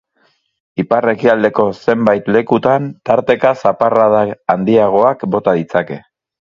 Ipar-ekialdeko zenbait lekutan tarteka zaparrada handiagoak bota ditzake.